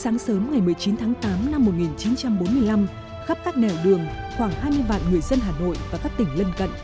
sáng sớm ngày một mươi chín tháng tám năm một nghìn chín trăm bốn mươi năm khắp các nẻo đường khoảng hai mươi vạn người dân hà nội và các tỉnh lân cận